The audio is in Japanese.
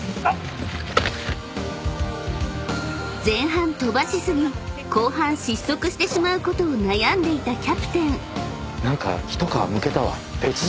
［前半飛ばし過ぎ後半失速してしまうことを悩んでいたキャプテン］